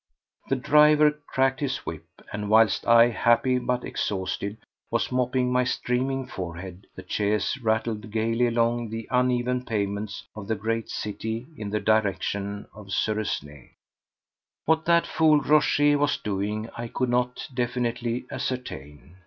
The driver cracked his whip, and whilst I, happy but exhausted, was mopping my streaming forehead the chaise rattled gaily along the uneven pavements of the great city in the direction of Suresnes. What that fool Rochez was doing I could not definitely ascertain.